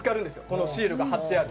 このシールが貼ってある。